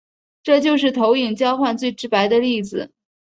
这就是投影变换最直白的例子。